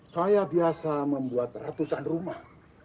saya biasa membuat ratusan rumah